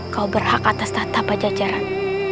kau berhak atas tata pajajaran